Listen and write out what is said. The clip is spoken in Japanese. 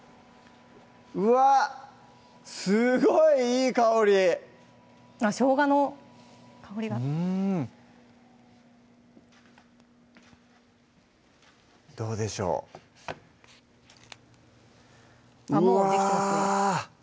うわっすごいいい香りしょうがの香りがどうでしょううわぁ